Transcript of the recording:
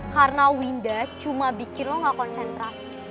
karena winda cuma bikin lo nggak konsentrasi